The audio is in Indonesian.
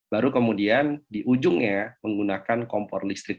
baru kemudian di ujungnya menggunakan kompor listrik